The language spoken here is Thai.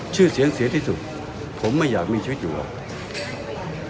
ชื่อเสียงเสียที่สุดผมไม่อยากมีชีวิตอยู่หรอก